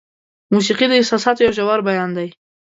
موسیقي د احساساتو یو ژور بیان دی.